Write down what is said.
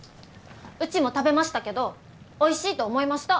うちも食べましたけどおいしいと思いました。